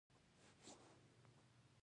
هندوکش د افغانستان د طبیعت د ښکلا برخه ده.